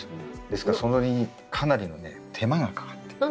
ですからそれにかなりのね手間がかかってる。